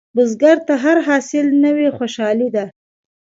بزګر ته هر حاصل نوې خوشالي ده